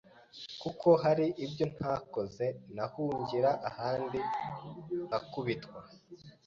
kuko hari ibyo ntakoze nahungira ahandi nkakubitwa